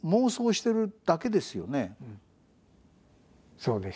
そうです。